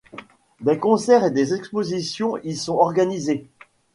Des concerts et des expositions y sont organisés.